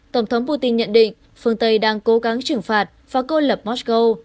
tổng thống putin nhận định phương tây đang cố gắng trừng phạt và côn lập moscow